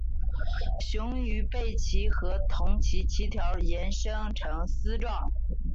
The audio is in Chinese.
雄鱼背鳍和臀鳍鳍条延伸呈丝状。